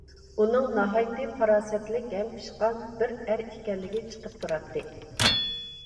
ئۇنىڭ ناھايىتى پاراسەتلىك ھەم پىشقان بىر ئەر ئىكەنلىكى چىقىپ تۇراتتى.